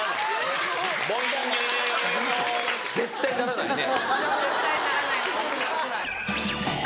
絶対ならないね。